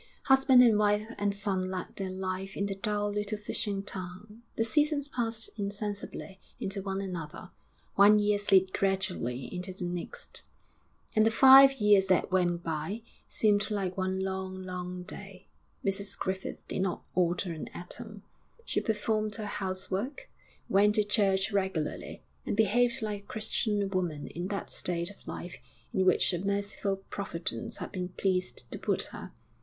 Husband and wife and son led their life in the dull little fishing town, the seasons passed insensibly into one another, one year slid gradually into the next; and the five years that went by seemed like one long, long day. Mrs Griffith did not alter an atom; she performed her housework, went to church regularly, and behaved like a Christian woman in that state of life in which a merciful Providence had been pleased to put her.